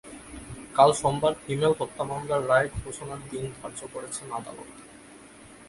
কাল সোমবার হিমেল হত্যা মামলার রায় ঘোষণার দিন ধার্য করেছেন আদালত।